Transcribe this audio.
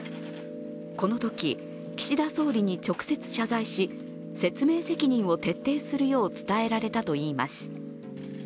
このとき、岸田総理に直接謝罪し説明責任を徹底するよう伝えられたといいます。